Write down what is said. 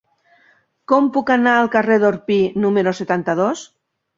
Com puc anar al carrer d'Orpí número setanta-dos?